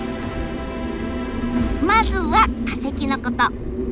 まずは化石のこと。